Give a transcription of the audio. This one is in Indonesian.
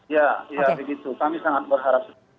ya ya begitu kami sangat berharap